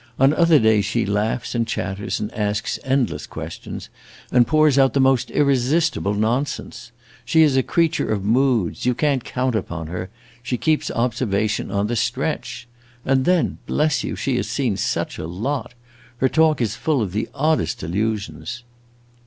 On other days she laughs and chatters and asks endless questions, and pours out the most irresistible nonsense. She is a creature of moods; you can't count upon her; she keeps observation on the stretch. And then, bless you, she has seen such a lot! Her talk is full of the oddest allusions!"